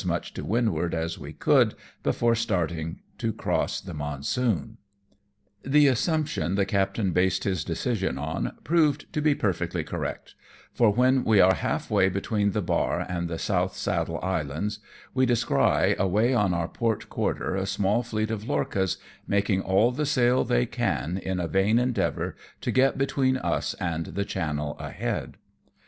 255 much to windward as we could, before starting to cross tlie monsoon. The assumption the captain based his decision on proved to be perfectly correct, for when we are half way between the bar and the South Saddle Islands, we descry away on our port quarter, a small fleet of lorchas, making all the sail they can in a vain endeavour to get between us and the channel ahead.